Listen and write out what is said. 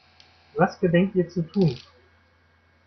Was gedenkt ihr zu tun?